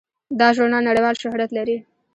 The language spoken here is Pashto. دا ژورنال نړیوال شهرت لري.